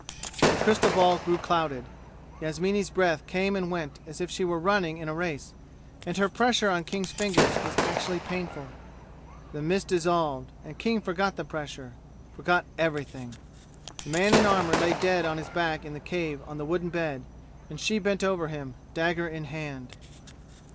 The crystal ball grew clouded. Yasmini's breath came and went as if she were running in a race, and her pressure on King's fingers was actually painful. The mist dissolved, and King forgot the pressure forgot everything. The man in armor lay dead on his back in the cave on the wooden bed, and she bent over him, dagger in hand.